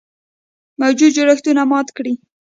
موجوده جوړښتونه مات کړي.